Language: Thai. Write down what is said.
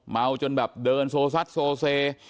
จนแบบเดินโซซัดโซเซ